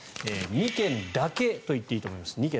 ２件だけといっていいと思います